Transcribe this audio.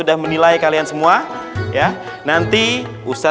apply ini hari ini dan